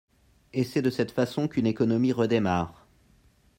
Et c’est de cette façon qu’une économie redémarre.